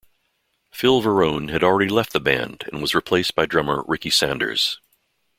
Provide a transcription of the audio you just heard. Phil Varone had already left the band and was replaced by drummer Ricky Sanders.